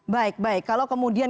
baik baik kalau kemudian